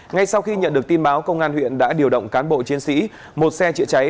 ngay sau khi nhận được tin báo công an huyện đã điều động cán bộ chiến sĩ một xe chữa cháy